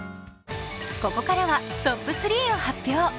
ここからはトップ３を発表。